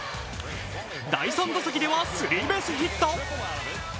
第３打席ではスリーベースヒット。